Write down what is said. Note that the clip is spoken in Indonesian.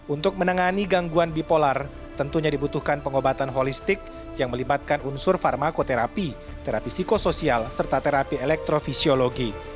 untuk menangani gangguan bipolar tentunya dibutuhkan pengobatan holistik yang melibatkan unsur farmakoterapi terapi psikosoial serta terapi elektrofisiologi